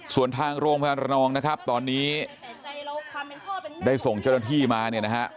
ส่วนทางโรงพยาบาลระนองนะครับตอนนี้ได้ส่งเจ้าหน้าที่มาเนี่ยนะฮะ